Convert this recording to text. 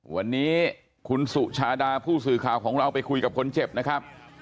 วันนี้คุณสุชาดาผู้สื่อข่าวของเราไปคุยกับคนเจ็บนะครับ